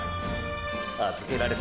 預けられた